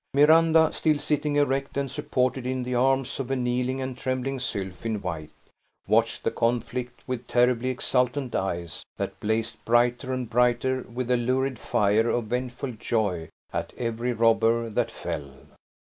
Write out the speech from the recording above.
Miranda, still sitting erect, and supported in the arms of a kneeling and trembling sylph in white, watched the conflict with terribly exultant eyes, that blazed brighter and brighter with the lurid fire of vengeful joy at every robber that fell.